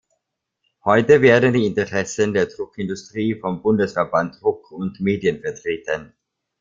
Heute werden die Interessen der Druckindustrie vom Bundesverband Druck und Medien vertreten.